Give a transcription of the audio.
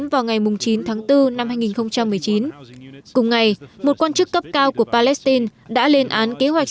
vào ngày chín tháng bốn năm hai nghìn một mươi chín cùng ngày một quan chức cấp cao của palestine đã lên án kế hoạch